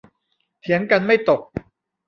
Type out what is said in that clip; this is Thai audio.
เถียงกันไม่ตก